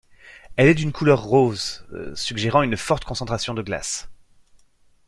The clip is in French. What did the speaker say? Elle est d'une couleur rose, suggérant une forte concentration de glace.